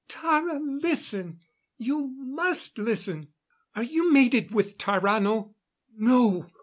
"Tara, listen you must listen! Are you mated with Tarrano?" "No!